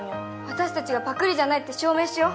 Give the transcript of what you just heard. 私たちがパクリじゃないって証明しよう。